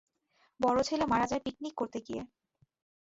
বড় ছেলে মারা যায় পিকনিক করতে গিয়ে।